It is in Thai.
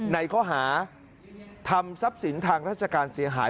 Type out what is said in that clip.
ในข้อหาทำทรัพย์สินทางราชการเสียหาย